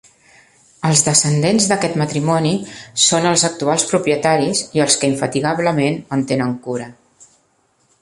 Els descendents d'aquest matrimoni són els actuals propietaris i els que infatigablement en tenen cura.